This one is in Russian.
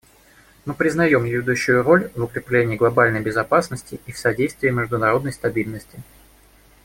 Мы признаем ее ведущую роль в укреплении глобальной безопасности и в содействии международной стабильности.